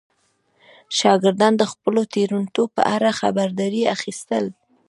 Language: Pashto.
شاګردان د خپلو تېروتنو په اړه خبرداری اخیستل.